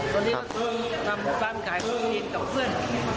กลับมาทำความฆ่าผู้จีนกับเพื่อน